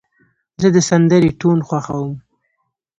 زه د سندرې ټون خوښوم.